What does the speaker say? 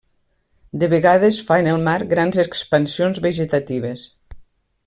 De vegades fa en el mar grans expansions vegetatives.